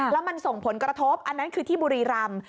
แล้วมันส่งผลกระทบอันนั้นคือที่บุรีรำ